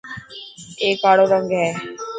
اي ڪاڙو رنگ هي.